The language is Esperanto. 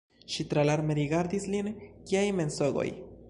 Ŝi tralarme rigardis lin: “Kiaj mensogoj?